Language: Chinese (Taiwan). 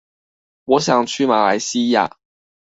我想去馬來西亞